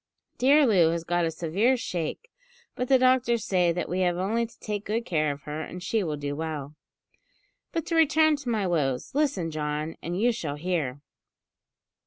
Dear Loo has got a severe shake, but the doctors say that we have only to take good care of her, and she will do well. But to return to my woes. Listen, John, and you shall hear."